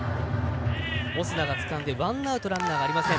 オスナがつかんでワンアウトランナーありません。